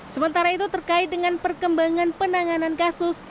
sementara itu terkait dengan perkembangan penanganan kasus